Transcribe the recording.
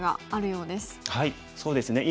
そうですね